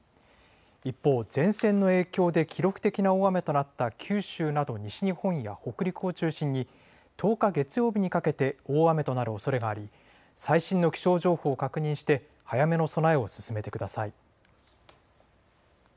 一方、前線の影響で記録的な大雨となった九州など西日本や北陸を中心に１０日月曜日にかけて大雨となるおそれがあり最新の気象情報を確認して早めの備えを進めてください。